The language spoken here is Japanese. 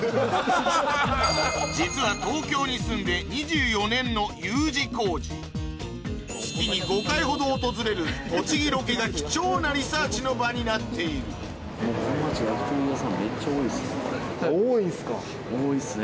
実はのＵ字工事月に５回ほど訪れる栃木ロケが貴重なリサーチの場になっている多いっすね。